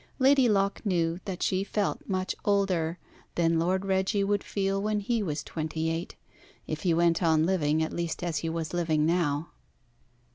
Lady Locke knew that she felt much older than Lord Reggie would feel when he was twenty eight, if he went on living at least as he was living now.